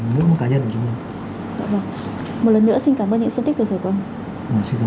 mỗi một cá nhân của chúng ta